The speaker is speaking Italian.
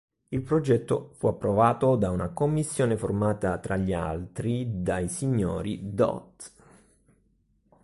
Il progetto fu approvato da una commissione formata tra gli altri dai signori “Dott.